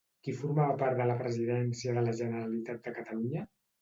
Qui formava part de la Presidència de la Generalitat de Catalunya?